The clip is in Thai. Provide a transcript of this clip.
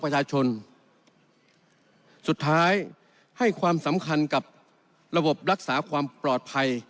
สุดท้ายให้ความสำคัญกับระบบรักษาความปลอดภัย